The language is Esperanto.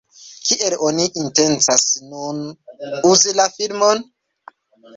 Kiel oni intencas nun uzi la filmon?